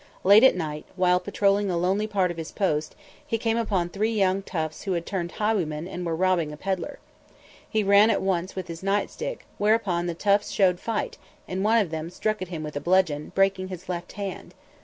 Late at night, while patrolling a lonely part of his post, he came upon three young toughs who had turned highwaymen and were robbing a peddler. He ran in at once with his night stick, whereupon the toughs showed fight, and one of them struck at him with a bludgeon, breaking his left hand.